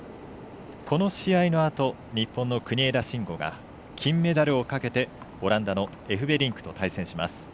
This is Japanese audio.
この試合のあと日本の国枝慎吾が金メダルをかけてオランダのエフベリンクと対戦します。